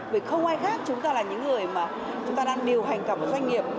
vì không ai khác chúng ta là những người mà chúng ta đang điều hành cả một doanh nghiệp